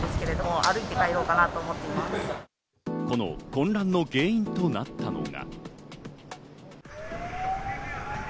この混乱の原因となったのが。